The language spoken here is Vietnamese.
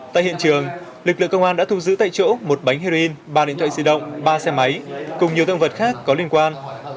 tại hiện trường lực lượng công an đã thu giữ tại chỗ một bánh heroin ba điện thoại di động ba xe máy cùng nhiều tăng vật khác có liên quan